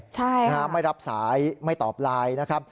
ใช่นะฮะไม่รับสายไม่ตอบไลน์นะครับ